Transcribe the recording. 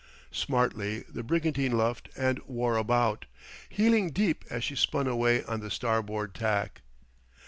Smartly the brigantine luffed and wore about, heeling deep as she spun away on the starboard tack.